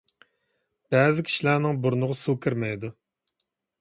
بەزى كىشىلەرنىڭ بۇرنىغا سۇ كىرمەيدۇ.